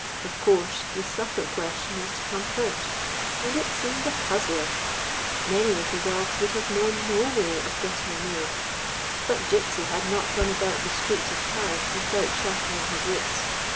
Of course, the supper question was to come first, and it seemed a puzzler. Many little dogs would have known no way of getting a meal ; but Gypsy had not run about the streets 8 — Gypsy. 121 GYPSY, THE TALKING DOG of Paris without sharpening his wits.